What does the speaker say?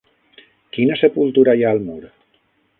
Quina sepultura hi ha al mur?